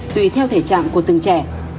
tùy theo thể trạng của từng trẻ